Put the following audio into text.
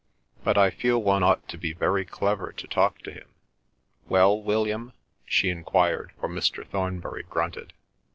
"But I feel one ought to be very clever to talk to him. Well, William?" she enquired, for Mr. Thornbury grunted.